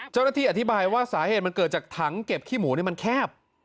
เจ้าหน้าที่อธิบายว่าสาเหตุมันเกิดจากถังเก็บขี้หมูมันแคบ